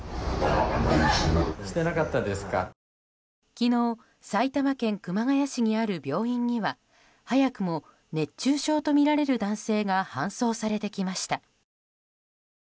昨日、埼玉県熊谷市にある病院には早くも熱中症とみられる男性が搬送されてきました。